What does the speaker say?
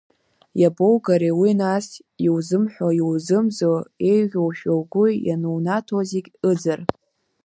Иабоугари уи нас, иузымҳәо, иузымӡо, еиӷьушәа угәы ианунаҭо зегь ыӡыр.